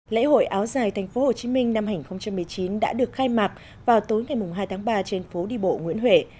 lễ hội áo dài tp hcm năm hai nghìn một mươi chín đã được khai mạc vào tối ngày hai tháng ba trên phố đi bộ nguyễn huệ